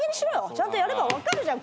ちゃんとやれば分かるじゃん。